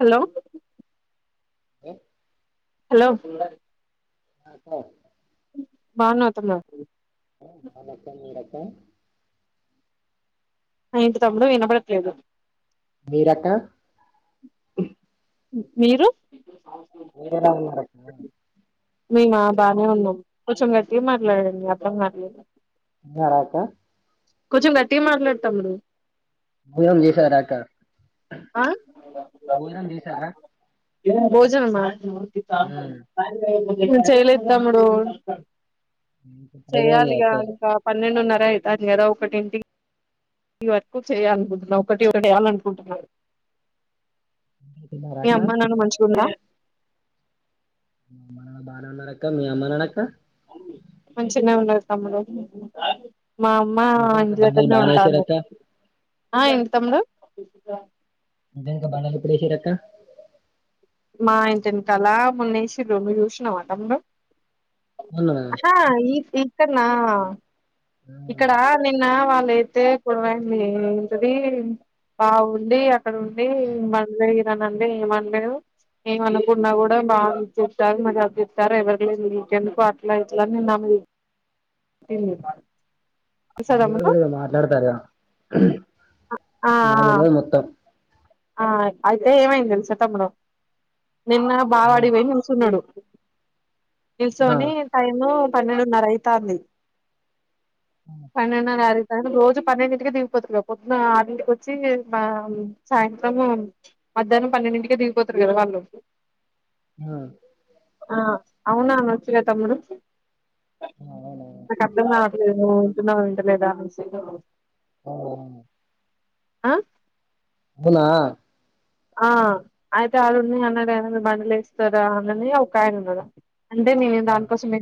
Hello హఓ hello ఆ కా బా నతంద హు కనక నీడన్ పో అయింటి తమ్ముడు వినపడట్లేదు మీరక్క మీరు మీరెలా ఉన్నారక్క మేము బానే ఉన్నాం కొంచెం కట్టి మరలాడండి అప్పుడ మరలేదు తిన్నారా క కొంచెం గట్టిగా మాట్లాడు తమ్ముడు మం చేస డాట ఆ బోయరం దసార ఇ భోజనం మ చి సాయంత్రం చ సాయంత్రం ను చేయలేద్దాముడు టైం అయింది చేయాలిగా అక్క ఇంకా పన్నెండునర్ [unintelligible] అంది కదా ఒకటింటికి ఇ వరకు చేయ అనుకుంటున్న ఒకటి రెండు వెయ్యాలి అనుకుంటున్న. తిన్నారా మీ అక్క అమ్మ నాన్న మంచిగా ఉన్నారా? అమ్మా నాన్న బాగానే ఉన్నాడు అక్క మీ అమ్మ నాన్నాక్క మంచిగనె ఉన్న తమ్ముడు మా అమ్మ ఆ నిజానికి అంజి బండలు దగ్గరనే బానే ఉంటాము. ఏసిరక్క ఆ ఏంటి తమ్ముడు ఇంట్లో ఇంకా బండలు ఎప్పుడూ ఎస్సిర్రు అక్క మా ఇంటి వెనకాలా మొన్న ఎస్సిర్రు మీరు చూసినవ తంబే మొన్ననా ఆహా ఈ ఈ ఇక్కడన ఇక్కడ నిన్న వాల్ అడైతే పడవైంది ఏంటది బాగుంది అక్కడ ఉండి మనలే ఇరనండి ఏమనలేదు ఏమ అనుకున్నా కూడా బాగా ఇచ్చేశారు మరి ఎట్లిచ్చారో ఎవరి లేదు ఇంకెందుకు అట్లా ఇట్లా నిన్నాం ఉమ్ భీముడు కూడ ఇగ మాట్లాడతాడేమో ఆ నాకు తెల్వదు మొత్తం ఆ అయితే ఏమైంది తెలుస తమ్ముడు. నిన్న బావ ఉమ్. అడిపోయి నినుసుున్నాడు. ఆ నిల్సోని టైము పన్నెడున్నరైతాంది ఆ పన్నెండు నారి రోజు పన్నెండింటికి దిగిపోతుంది పొద్దున ఆరింటికి వచ్చి మా సాయంత్రం మధ్యాహ్నం పన్నెండింటికే దిగిపోతారు కదా వాళ్ళు ఆ ఆ అవునా నువ్ చిన్న తమ్ముడు [inaudible] అవునా [unintelligible] [unintelligible] ఆ అవునా ఆ అయితే అడున్నా అన్నా [unintelligible] బండిలేస్తారా [unintelligible] ఒకాయనున్నాడు అంటే నేను నీ దానికోసమే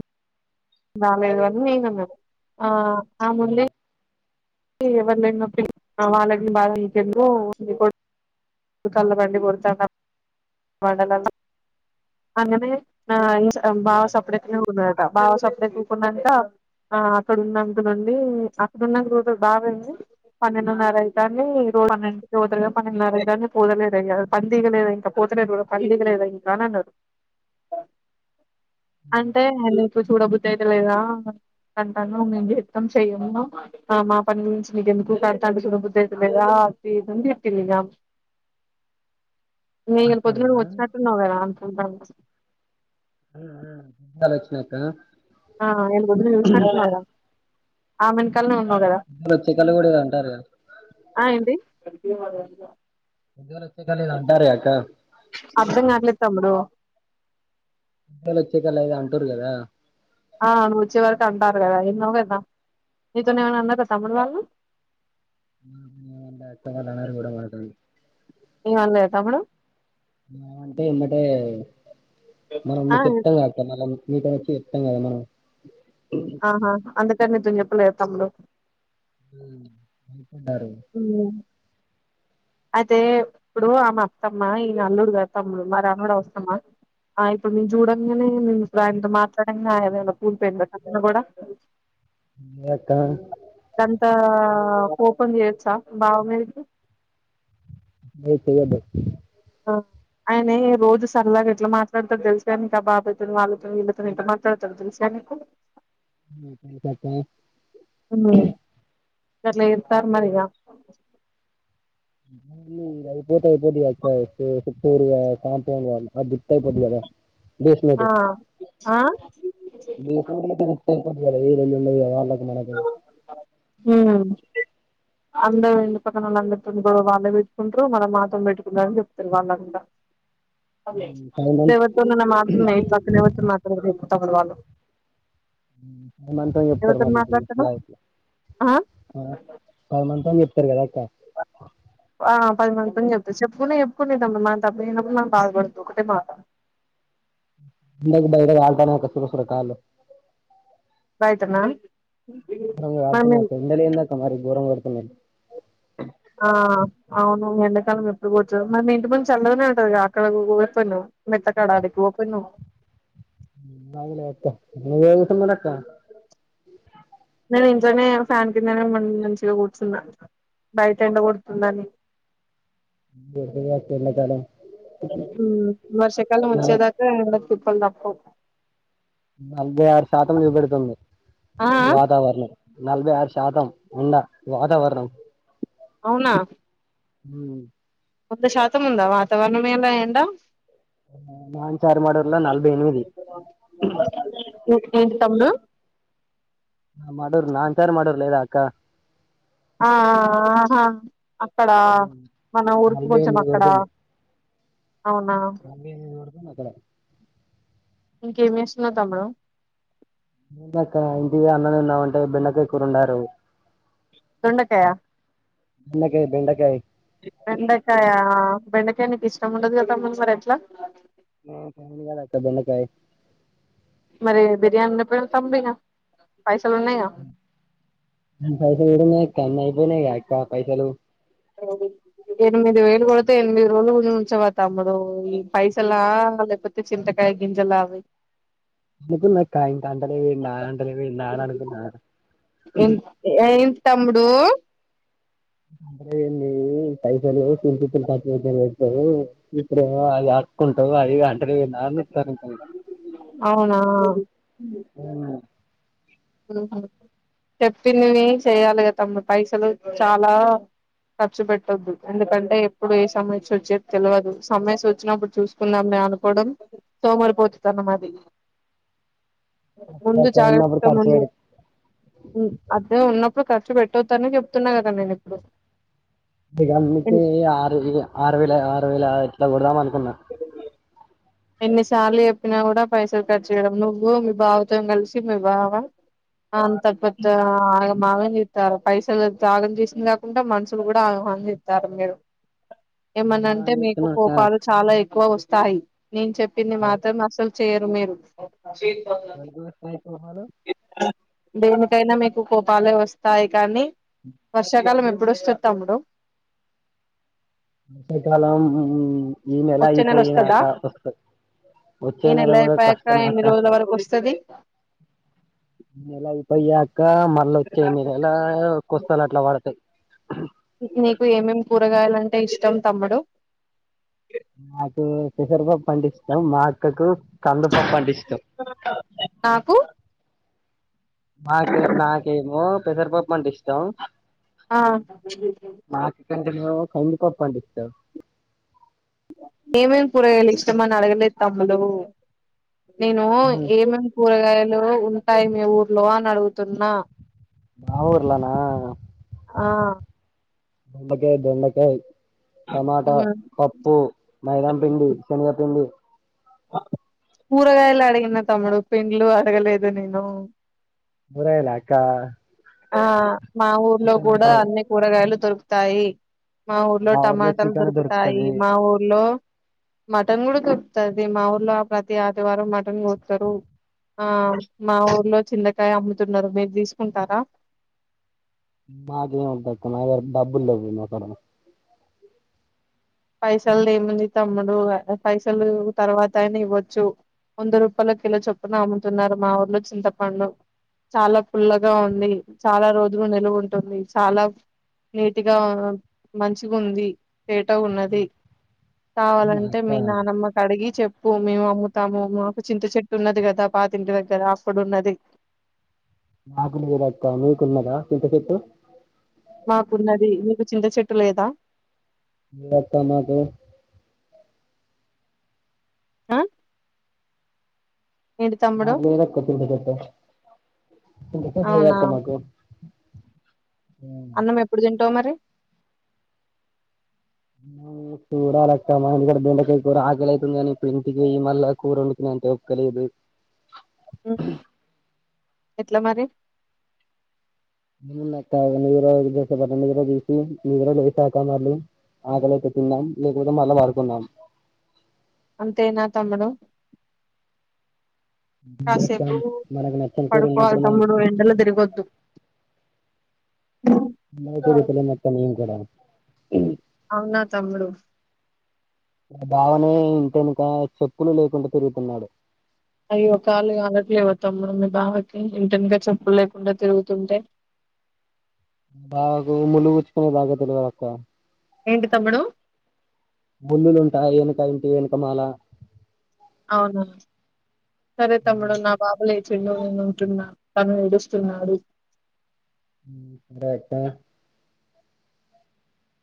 నాలుగు ఐదు అని నేనన్నాను ఆ ఆ అవునా ముందే ఉమ్ ఎవరినైనా [unintelligible] వాళ్ళకి భాద అనిపియాదు [unintelligible] నా కళ్లు మండి ఓరుతాన [unintelligible] ఆ [unintelligible] బావ సంపుడెకేనే ట బావ సప్ల కూకున్నంట ఆ అక్కడున్నంత నుండి అక్కడున్న రోడ్ బాగాంది పన్నెండున్నర అయిాన్ని రోడ్డు అన్నింటిక కూదరగా పన్నెండున్నర అఐతాన్ని పోదలేరు పందికలేదా ఇంకా పోతలేరు అంటా హడ బ బద్ అలేదా అంటాను మేము ఎర్తం చెయ్యము మా పని గురించి మీకు ఎందుకు సతంట చూడం బుద్దు అయితలేదాంది అది ఇది తిట్టిందిగా న ఇ అక్క పొద్దున నువ్వు అన్నదా వచ్చినట్టు ఉన్నావు అనుకుంటాన్న దాలక్ష్మీ అక్క ఆ నువ్వు ముందు చూసినట్టు ఉన్నావు కదా ఆమెను కలవు ప్రత్యేకలు కూడాద అంటారుద ఆ [inaudible] ముందుగానే వచ్చేసారని అంటారు గా అక్క అర్థం కావట్లేదు తమ్ముడు ఎల్లి వచ్చాక లేదు అంటురు కదా ఆ నువ్వు వచ్చే వరకు అంటారు కదా ఎన్నో కదా నీతోనే ఏమైనా అన్నార తమ్ముడు వాళ్ళు [unintelligible] ఏం అనలేదాప్పుడు ఏమంటే ఎమ్మటే మనం ఆ చెప్తాం గా అక్క మనం మీకనొచ్చి చెప్తాం కదా మనం ఆహా అందుకని తిను చెప్పలే తమ్ముడు మ్మ్ హ్మ్ అయితే ఇప్పుడు ఆమె అత్తమ్మ ఈయన అల్లుడు గద తమ్ముడు మరి అన్నడు అవసరమా ఇప్పుడు మేము చూడంగానే మేం ఇప్పుడు ఆయనతో మాట్లాడంగా ఆయనేమైన కూల్పోయింది కూడా ఏ అక్క ఎంత కోపం చేయొచ్చా బావ మీదికి ఏం తీయొద్దు ఆ ఆయనే రోజు సరదాగా ఎట్లా మాట్లాడతాడు తెలుసుగా నీకు ఆ బాబాయితో వాళ్ళతోని వీళ్ళతో నిఎట్లా మాట్లాడతాడు తెలుసుగా నీకు ఉమ్ [unintelligible] గట్ల ఏరతారు మరిగా అది అయిపోతే అయిపోద్ది గా అక్క [unintelligible] భీష్ముడు ఆ ఆ భీష్ముడి లో [unintelligible] [unintelligible] వాళ్ళకు మన ఆ అందరు ఇంటి పక్కన వాళ్ళందరి తోను గొడవ వాళ్ళే పెట్టుకుంటరు మన మాత్రం పెట్టుకుంటారు అని చెప్తారు వాళ్ళంతా ఫైవ్ మంత్స్ ఇప్పుడు ఎవరితోనైనా మారుతుంది పక్కనెవరితోనైన మారుతుందీ తబలవాల్లు మన ఉత్తర్ మాది మాట్లాడతారు ఇలా ఆ ప మంతని చెప్తారు సరే క్కా ఆ పది మంది పని చెప్త చెప్పుకునే చెప్పుకునే తమ్ మన తప్ప అయినప్పుడు మనకు బాధపడుతు ఒకటే మాట బ వాల్ప కస కస రకాల బాయిట్ మ్యామ్ కారుతున్నాయి క్కా ఎండాలే లే మరి గోరం అవు ఆ అవును ఎన్ - ాలం ఎప్పుడు కూచ్చుదు మరి ఇంటి ముందు చల్లదనే ఉంటదింది అక్కడకి పోనువు మెత్తకాడాకి ఓపోనువు అడి అతేు కా నేను ఇంట్లోనే ఫ్యాన్ కిందనే మంచిగా కూర్చున్నా బయట ఎండకడుతుందని అత ఎలా తాాల వర్షాకాల నల ముచ్చేదాకా ఎన్ చప్ప నాకు నలభై ఆరు శాతం ఇవ్వబెడుతుంది ఆ ఆ వాతావరణం నలభై ఆరు శాతం అన్న వాతావరణం అవునా హ వంద శాతం ఉందా వాతావరణం ఎలా ఏడా నాన్ చార్ మర్లా నలభై ఎనిమిది ఏ ఏంటి తమ్డు నా మోరు నాన్ చారు మర్లే లేదా అక్క ఆ ఆహా అక్కడ ఉమ్, మన ఊరికి కొంచెం అక్కడ అవునా అ నిడుతు అక్కడ ఇంకేం చేస్తున్నారు తమ్ముడు క్క ఇంటి అన్ననే ఉన్నామంటే బిండకాయ కూరున్నారు తుండకాయ బెండకాయ బెండకాయ వెండకాయ బెండకాయ నీకు ఇష్టం ఉండదు కదామ్మని మరి ఎట్లా ఫగా బన్నకాయ మరి బిర్యానీన్నప్పు తంబిన ఫైస ఏడున్నాయ్ క కన్నా ప క్క పైసలు ఎనిమిది వేలు కొడితే ఎనిమిది రోజుల గు ఉంచవా తమ్ముడా ఈ పైసలా లేకపోతే చింతకాయ గింజలా అవి అనుకున్నా కా ఇంత అంటలే నా అంటలే నాన్న అనుకున్నా ఏంటి తమ్ముడు అ పైసలుల్పిలు తవు ఇప్పుడే అది హక్కుంటావు అది నాలుగు తెర అవునా చెప్పిందివి చేయాలి కద తమ్ పైసలు చాలా ఖర్చు పెట్టొద్దు ఎందుకంటే ఎప్పుడు ఏ సమయ వచ్చేది తెలియదు సమయ వచ్చినప్పుడు చూసుకుందాంని అనుకోవడం సోమరిపోతు తనం అది అడ ఉప్పు క అది ఉన్న ప్పుర్చ పేట్టో ఉతా దతే ఆరు ఆరు వేల ఆరు వేల ఇలా కొడదాం అనుకున్నా ఎన్నిసార్లు చెప్పినా కూడా పైసలు ఖర్చు చేయడం నువ్వు మీ బావతో కలిసి మీ బావ అ అంతగపెద్ద ఆ మాగం చెతారు పైసలు త్యాగం చేసింది కాకుండా మనుషులు కూడా ఆని ఇస్తారు మీరు ఏమన అంటే ఏమని మీకు చెప్తున్నా అక్క కోపాలు చాలా ఎక్ వో వస్తాయి నేను చెప్పింది మాత్రం అసల్ చేయరు మీరు వాకు వకాయికు హాల దేనికైనా మీకు కోపాలే వస్తాయి కానీ వర్షకాలమ మెప్పు ఎప్పుడుస్తు తముడు వర్షాకాలం ఈ వచ్చే నెల వస్తదా అయిపోయినాక వస్తాయి వచ్చే ఈ నెల కూడా అయిపోయాక కష్టమే ఎన్ని అక్క రోజుల వరకు వస్తాది ఇ నెల ఆ ఇ పై ఇకా మళ్ళ వచ్చాయి ఎనిమిదేలా కొస్తాలు అట్లా వాడతాయి నీకు ఏమేం కూరగాయలంటే ఇష్టం తమ్ముడు నాకు పెసరపప్పుటే ఇష్టం మా అక్కకు కందు పప్ అంటే ఇష్టం నాకు నాక నాకేమో పెసరపప్పు అంటే ఇష్టం లొ ఆ కొంచెం కందిపప్ అంటే ఇష్టం ఏమేమి కురగాయాలు ఇష్టమని అడగలేదు తమ్ములు నేను ఏమేమి కూరగాయల్ ఉంటాయి మీ ఊర్లో అని అడుగుతున్నా బమూఊర్లానా ఆ దొండకాయ దొండకాయ టమాటా పప్పు మైదాం పిండి శనగపిండి కూరగాయలు అడిగిన తమ్ముడు పెండ్లు అడగలేదు నేను కూరగాయలా అక్క ఆ మా ఊర్లో చికెన్ కూడా ఉంటాయి అన్ని కూరగాయలు దొరుకుతాయి మా ఊర్లో టమాటాలు దొరుకుతాయి మా ఊర్లో మటన్ కూడా దొరుకుతుది మా ఊర్లో ప్రతి ఆదివారం మటన్ కొతారు ఆ మా ఊర్లో చింతకాయ అమ్ముతున్నారు మీరు తీసుకుంటారా నాక ఏ ఉ తకు నా డబ్బులు లెక్క నాక్కడ పైసలు ఏముంది తమ్ముడు పైసలు తర్వాత అయిన ఇవ్వచ్చు వంద రూపాయల కిలో చొప్పున అమ్ముతున్నారు మా ఊర్లో చింతపండు చాలా పుల్లగా ఉంది చాలా రోజులు నిలువు ఉంటుంది చాలా నీట్గా మంచిగా ఉంది పే ట ఉన్నది మా కావాలంటే మీ అక్క నానమ్మకు అడిగి చెప్పు భూమి అమ్ముతాము మాకు చింత చెట్టు ఉన్నది కదా పాతింటి దగ్గర అప్పుడు ఉన్నది నాకురుతా నవ కున్నార చింత చెట్ మాకున్నది మీీకు చింత చెట్టు లేదా త మాతో ఆ ఏంటి తమ్ముడు మాకు లేదక్క చింత అవునా చెట్టు మాకు ఉమ్. అన్నం ఎప్పుడు తింటావు మరి చూడాలక్క మా ఇడ దిండకాయ కూర ఆకలి అైతుంది కాని ఇప్పుడు ఇంటికి వెయ్యి మళ్ళా కూర వండుకున్నా అంత ఓపిక లేదు ఆ ఎట్లా మరి నీరు నీర తీసి నీర వసాక మళ్ళీ ఆకలికి తిన్నాం లేకపోతే మళ్ళా వాడుకున్నాం అంతేేనా తమ్ముడు అక్క కాసేపు మనకు నచ్చని కూర పడుకోవాలి ఉన్నప్పుడు మనం తమ్ముూడు ఎండలో తిరగొద్దు నతే పల మత్తం ఏం కూడా ఉ అవునా తము డుూ నా భావనే ఇంట వెనుక చెప్పులు లేకుండా తిరుగుతున్నాడు అవి ఒకకాళ్ళ అనట్లే పోతాము మ మీ బావకి ఇంటనికా చెప్పులు లేకుండా తిరుగుతుంటే బాగాకు ములుగుచ్చుకునే బాగా తెలివాల అక్క ఏంటి తమ్ముడు బుల్లులు ఉంటాయి వెనక ఇంటి వెనుక మాల అవునా సరే తమ్ముడు నా బాబులే చిన్న ఉంటున్నా తను ఏడుస్తున్నాడు హు సరే అక్కా